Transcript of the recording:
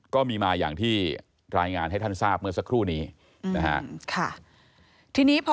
ก็มีมาอย่างที่รายงานให้ท่านทราบเมื่อสักครู่นี้นะครับ